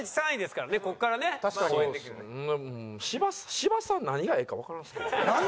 芝さん何がええかわからんすけどね。